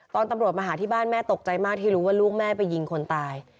ตำรวจมาหาที่บ้านแม่ตกใจมากที่รู้ว่าลูกแม่ไปยิงคนตาย